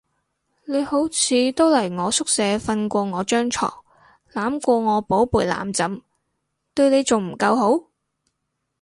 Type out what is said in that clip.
你好似都嚟我宿舍瞓過我張床，攬過我寶貝攬枕，對你仲唔夠好？